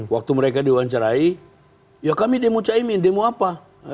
waktu mereka diwawancarai ya kami demo caimin demo apa